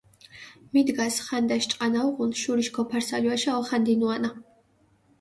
მიდგას ხანდაშ ჭყანა უღუნ, შურიშ გოფარსალუაშა ოხანდინუანა.